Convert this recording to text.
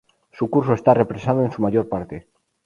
Su curso está represado en su mayor parte.